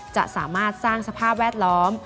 จะสามารถสร้างสภาพแวดล้อม